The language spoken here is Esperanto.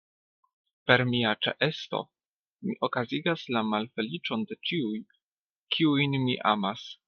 Per mia ĉeesto mi okazigas la malfeliĉon de ĉiuj, kiujn mi amas.